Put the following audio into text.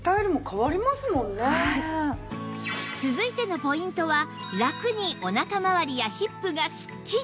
続いてのポイントは「ラクにお腹まわりやヒップがスッキリ」